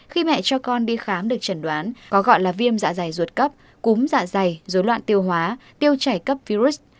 khi mẹ cho con đi khám được chẩn đoán có gọi là viêm dạ dày ruột cấp cúm dạ dày dối loạn tiêu hóa tiêu chảy cấp virus